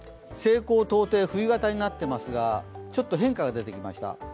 西高東低、冬型になっていますがちょっと変化が出てきました。